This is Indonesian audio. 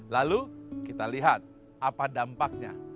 lalu kita lihat apa dampaknya